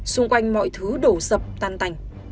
xung quanh mọi thứ đổ sập tan tành